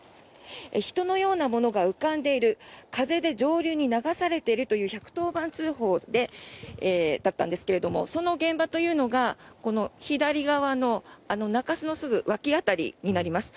人のようなものが浮かんでいる風で上流に流されているという１１０番通報だったんですがその現場というのが、この左側の中州のすぐ脇辺りになります。